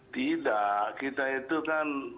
tidak kita itu kan